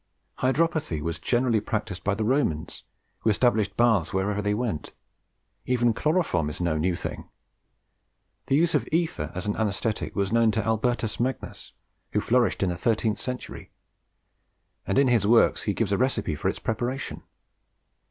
Hydropathy was generally practised by the Romans, who established baths wherever they went. Even chloroform is no new thing. The use of ether as an anaesthetic was known to Albertus Magnus, who flourished in the thirteenth century; and in his works he gives a recipe for its preparation.